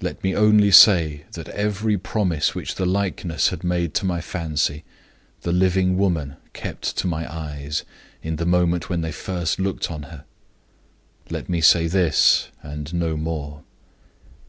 Let me only say that every promise which the likeness had made to my fancy the living woman kept to my eyes in the moment when they first looked on her. Let me say this and no more.